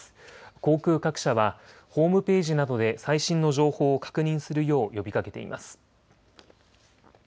航空各社はホームページなどで最新の情報を確認するよう呼びかけています。